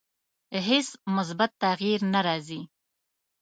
هیڅ مثبت تغییر نه راځي.